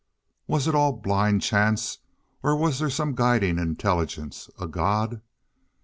Was it all blind chance, or was there some guiding intelligence—a God?